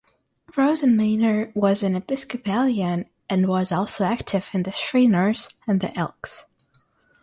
Rosenmeier was an Episcopalian and was also active in the Shriners and the Elks.